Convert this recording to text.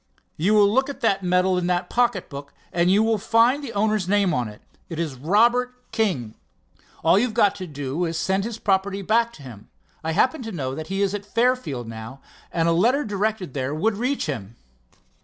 If you will look at that medal in that pocket book, you will find that the owner's name is on it. It is 'Robert King'. All you've got to do is to send his property back to him. I happen to know that he is at Fairfield now, and a letter directed there would reach him."